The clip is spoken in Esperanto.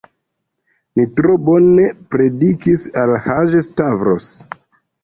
Mi tro bone predikis al Haĝi-Stavros.